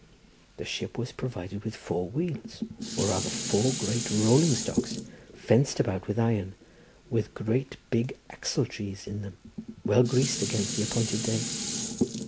The ship was provided with four wheels, or rather four great rolling stocks, fenced about with iron, with great big axle trees in them, well greased against the appointed day.